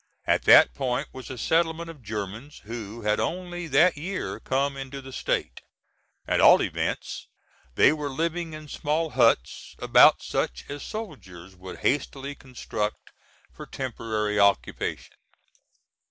At that point was a settlement of Germans who had only that year come into the State. At all events they were living in small huts, about such as soldiers would hastily construct for temporary occupation.